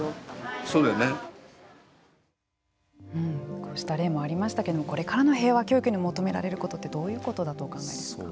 こうした例もありましたけれどもこれからの平和教育に求められることってどういうことだとお考えですか。